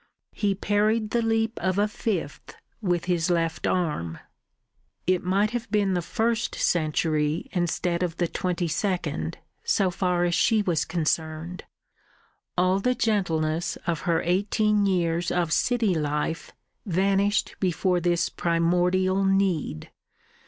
He parried the leap of a fifth with his left arm. It might have been the first century instead of the twenty second, so far as she was concerned. All the gentleness of her eighteen years of city life vanished before this primordial need.